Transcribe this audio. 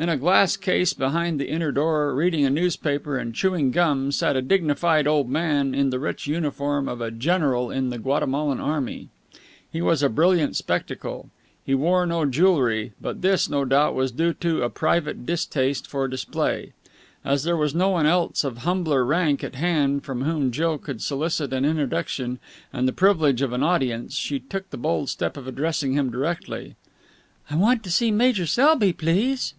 In a glass case behind the inner door, reading a newspaper and chewing gum, sat a dignified old man in the rich uniform of a general in the Guatemalan army. He was a brilliant spectacle. He wore no jewellery, but this, no doubt, was due to a private distaste for display. As there was no one else of humbler rank at hand from whom Jill could solicit an introduction and the privilege of an audience, she took the bold step of addressing him directly. "I want to see Major Selby, please."